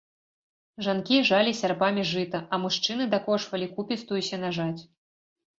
Жанкі жалі сярпамі жыта, а мужчыны дакошвалі купістую сенажаць.